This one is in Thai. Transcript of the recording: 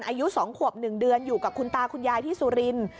อายุ๒ขวบ๑เดือนอยู่กับคุณตาคุณยายที่สุรินทร์